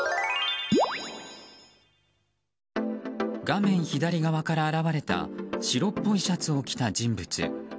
画面左側から現れた白っぽいシャツを着た人物。